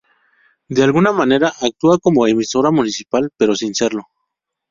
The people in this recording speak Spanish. De alguna manera actúa como emisora municipal pero sin serlo.